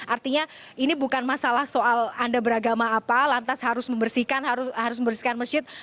artinya ini bukan masalah soal anda beragama apa lantas harus membersihkan harus membersihkan masjid